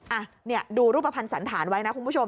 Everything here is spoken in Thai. อ่ะเนี่ยดูรูปภัณฑ์สันธารไว้นะคุณผู้ชม